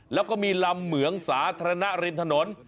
แล้วก็มีลำเหมืองสาธารณะริมถนน